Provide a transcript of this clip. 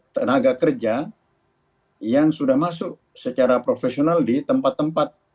tenaga kerja yang sudah masuk secara profesional di tempat tempat